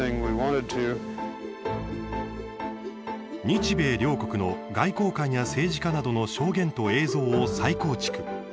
日米両国の外交官や政治家などの証言と映像を再構築。